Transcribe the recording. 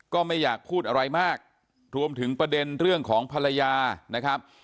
ก็ไม่อยากพูดอะไรมากรวมถึงประเด็นเรื่องของภรรยานะครับ